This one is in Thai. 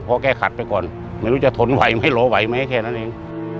พอแค่ขัดไปก่อนไม่รู้จะทนไหวไหมรอไหวไหมแค่นั้นเอง